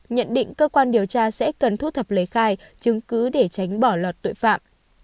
nhận định cơ quan điều tra sẽ cần thu thập lấy khai chứng cứ để tránh bỏ lọt tội phạm